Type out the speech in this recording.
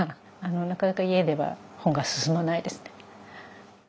なかなか家では本が進まないですね。